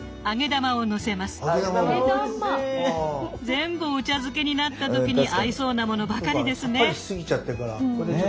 全部お茶漬けになった時に合いそうなものばかりですね。